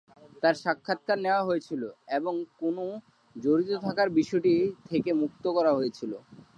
তার সাক্ষাৎকার নেওয়া হয়েছিল এবং কোনও জড়িত থাকার বিষয়টি থেকে মুক্ত করা হয়েছিল।